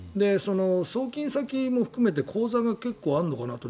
送金先も含めて口座が結構あるのかなと。